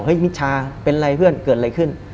มิชาเป็นไรเพื่อนเกิดอะไรขึ้น